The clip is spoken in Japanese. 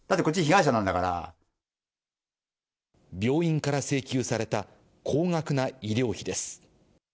だって、病院から請求された高額な医療費です。